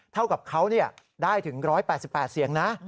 เท่ากับเขาได้ถึง๑๘๘เสียงนะ